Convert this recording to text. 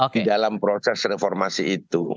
di dalam proses reformasi itu